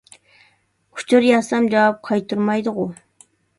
ئۇچۇر يازسام جاۋاب قايتۇرمايدىغۇ.